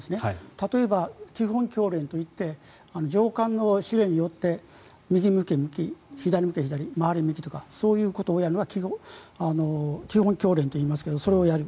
例えば、基本教練といって上官の指令によって右向け右、左向け左回れ右とかそういうことをやるのを基本教練といいますがそれをやる。